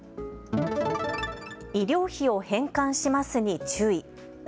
医療費を返還しますに注意。